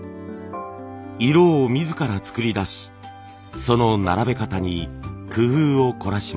色を自ら作り出しその並べ方に工夫を凝らします。